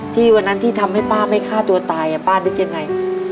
วันนั้นที่ทำให้ป้าไม่ฆ่าตัวตายป้านึกยังไง